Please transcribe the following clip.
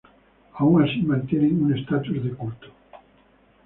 Aun así mantienen un status de culto.